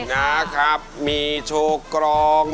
นะครับมีโชว์กรอง